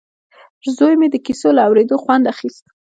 زوی مې د کیسو له اورېدو خوند اخیست